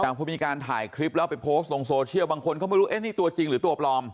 แต่พอมีการถ่ายคลิปแล้วไปโพสต์ลงโซเชียลบางคนก็ไม่รู้เอ๊ะนี่ตัวจริงหรือตัวปลอม